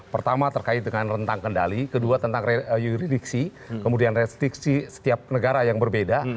pertama terkait dengan rentang kendali kedua tentang yuridiksi kemudian restriksi setiap negara yang berbeda